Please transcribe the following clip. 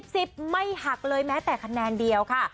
ไม่หักเลยแม้แต่คะแนนเดียวค่ะ